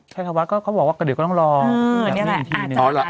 จริงทุกวิทายยังไม่ได้พูดอะไรออกมา